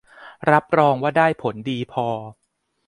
รับรองว่าได้ผลดีพอ